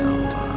cepet gak berokay